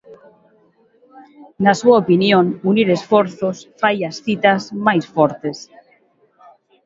Na súa opinión "unir esforzos" fai as citas "máis fortes".